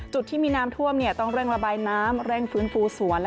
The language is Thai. จุดที่มีน้ำท่วมต้องเร่งระบายน้ำเร่งฟื้นฟูสวน